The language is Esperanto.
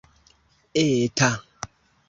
eta